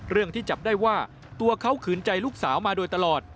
ที่จับได้ว่าตัวเขาขืนใจลูกสาวมาโดยตลอด